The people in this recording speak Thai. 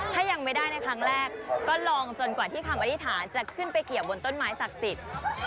ถ้ายังไม่ได้ในครั้งแรกก็ลองจนกว่าที่คำอธิษฐานจะขึ้นไปเกี่ยวบนต้นไม้ศักดิ์สิทธิ์